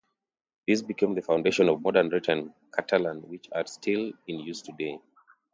These became the foundation of modern written Catalan which are still in use today.